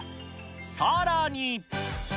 さらに。